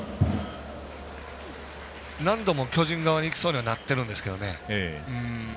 何度も巨人側にいきそうにはなってるんですけどね。